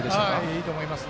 いいと思います。